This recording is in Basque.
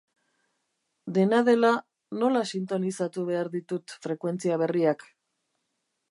Dena dela, nola sintonizatu behar ditut frekuentzia berriak?